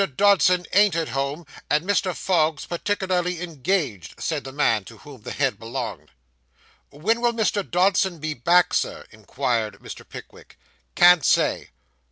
Dodson ain't at home, and Mr. Fogg's particularly engaged,' said the man to whom the head belonged. 'When will Mr. Dodson be back, sir?' inquired Mr. Pickwick. 'Can't say.